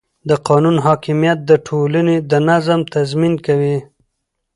د قانون حاکمیت د ټولنې د نظم تضمین کوي